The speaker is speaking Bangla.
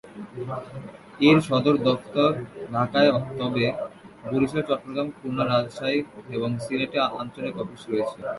এর সদর দফতর ঢাকায় তবে বরিশাল, চট্টগ্রাম, খুলনা, রাজশাহী এবং সিলেটে আঞ্চলিক অফিস রয়েছে।